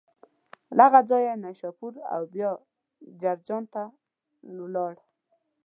له هغه ځایه نشاپور او بیا جرجان ته ولاړ.